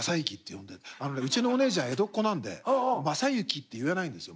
あのねうちのお姉ちゃん江戸っ子なんで「まさゆき」って言えないんですよ。